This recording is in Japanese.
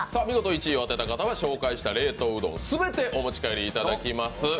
見事１位を当てた方は紹介した冷凍うどんすべてお持ち帰りいただきます。